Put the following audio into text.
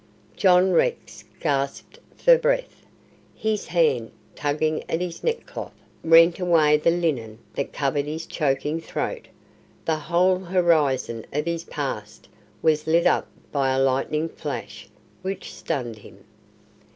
John Rex gasped for breath. His hand, tugging at his neck cloth, rent away the linen that covered his choking throat. The whole horizon of his past was lit up by a lightning flash which stunned him.